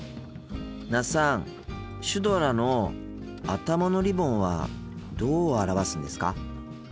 那須さんシュドラの頭のリボンはどう表すんですか？